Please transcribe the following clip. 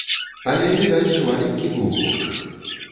Але, відаць, жвавенькі быў хлопчык.